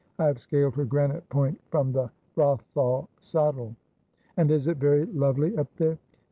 I have scaled her granite point from the Eoththal Battel.' ' And is it verj' lovely up there